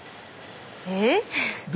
えっ？